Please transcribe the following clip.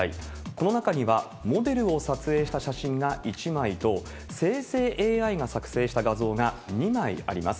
この中にはモデルを撮影した写真が１枚と、生成ＡＩが作成した画像が２枚あります。